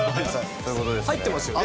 入ってますよね？